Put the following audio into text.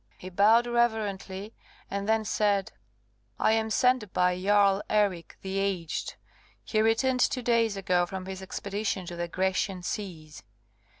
He bowed reverently, and then said, "I am sent by Jarl Eric the Aged. He returned two days ago from his expedition to the Grecian seas.